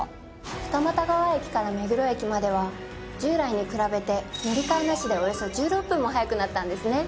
二俣川駅から目黒駅までは従来に比べて乗り換えなしでおよそ１６分も早くなったんですね。